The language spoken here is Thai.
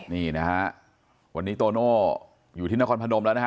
นี่นะฮะวันนี้โตโน่อยู่ที่นครพนมแล้วนะฮะ